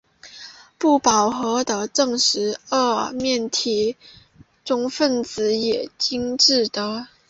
不饱和的正十二面体烷分子也已经制得。